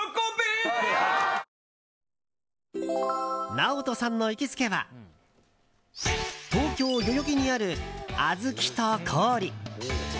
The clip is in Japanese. ＮＡＯＴＯさんの行きつけは東京・代々木にあるあずきとこおり。